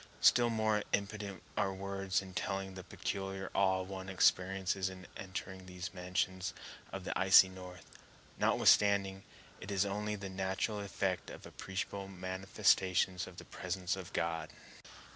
Still more impotent are words in telling the peculiar awe one experiences in entering these mansions of the icy North, notwithstanding it is only the natural effect of appreciable manifestations of the presence of God.